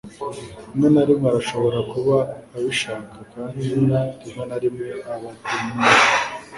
Rimwe na rimwe arashobora kuba abishaka kandi rimwe na rimwe aba demure